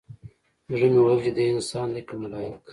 زړه مې ويل چې دى انسان دى که ملايک.